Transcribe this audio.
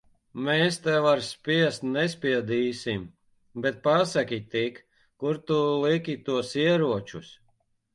Mēs tev ar spiest nespiedīsim. Bet pasaki tik, kur tu liki tos ieročus?